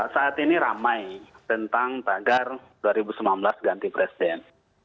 saat ini ramai tentang tagar dua ribu sembilan belas ganti presiden